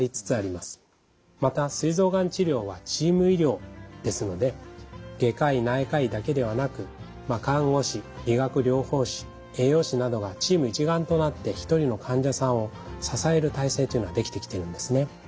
またすい臓がん治療はチーム医療ですので外科医内科医だけではなく看護師理学療法士栄養士などがチーム一丸となって一人の患者さんを支える体制というのができてきているんですね。